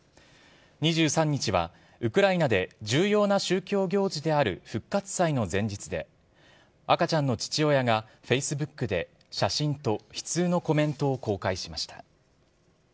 ２３日はウクライナで重要な宗教行事である復活祭の前日で、赤ちゃんの父親が、フェイスブックで写真と悲痛のコメントを公開しました。